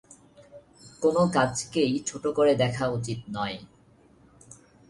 কোনো কাজকেই ছোট করে দেখা উচিত নয়।